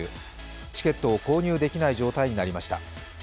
チケットを購入できない状態になりました。